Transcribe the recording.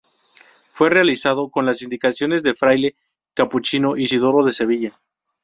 Fue realizado con las indicaciones del fraile capuchino Isidoro de Sevilla.